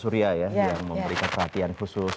surya ya yang memberikan perhatian khusus